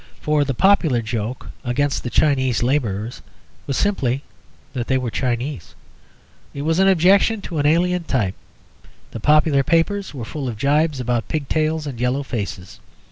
For the popular joke against the Chinese labourers was simply that they were Chinese; it was an objection to an alien type; the popular papers were full of gibes about pigtails and yellow faces.